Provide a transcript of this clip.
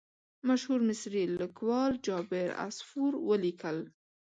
مشهور مصري لیکوال جابر عصفور ولیکل.